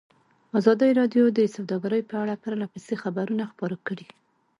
ازادي راډیو د سوداګري په اړه پرله پسې خبرونه خپاره کړي.